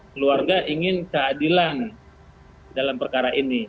keluarga ingin keadilan dalam perkara ini